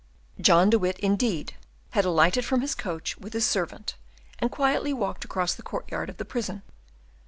John de Witt, indeed, had alighted from his coach with his servant, and quietly walked across the courtyard of the prison.